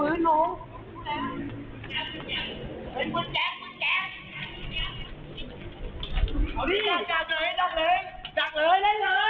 โน้มมี่พื้นโน้ม